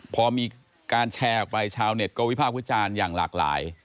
พอมีการแชร์ไปชาวเน็ตกระวิภาคพุทธจานอย่างหลากหลาย